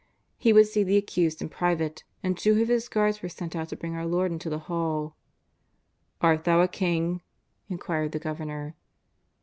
He would see the Accused in private, and two of his guards were sent out to bring our Lord into the hall. "Art Thou a King?'' inquired the Governor.